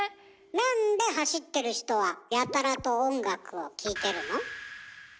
なんで走ってる人はやたらと音楽を聴いてるの？